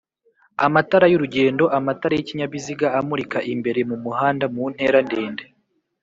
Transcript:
Amatara y’urugendoAmatara y’ikinyabiziga amurika imbere mu muhanda mu ntera ndende